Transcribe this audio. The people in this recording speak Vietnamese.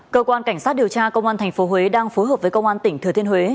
cơ quan cảnh sát điều tra công an tp huế đang phối hợp với công an tỉnh thừa thiên huế